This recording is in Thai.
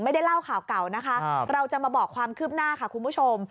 ไม่ได้เล่าข่าวเก่านะคะเราจะมาบอกความคืบหน้าค่ะคุณผู้ชม